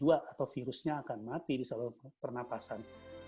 atau virusnya akan mati di seluruh pernapasan